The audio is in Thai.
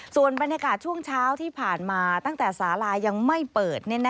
ส่วนบรรยากาศช่วงเช้าที่ผ่านมาตั้งแต่สาลายังไม่เปิด